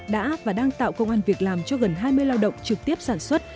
đã và đang tạo công an việc làm cho gần hai mươi lao động trực tiếp sản xuất